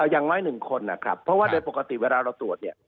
อย่างน้อย๑คนนะครับเพราะว่าโดยปกติเวลาเราตรวจเนี่ย